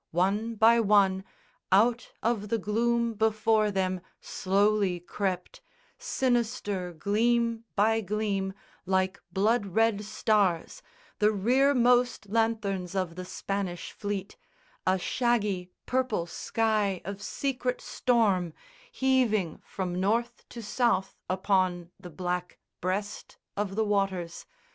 One by one Out of the gloom before them slowly crept, Sinister gleam by gleam, like blood red stars, The rearmost lanthorns of the Spanish Fleet, A shaggy purple sky of secret storm Heaving from north to south upon the black Breast of the waters.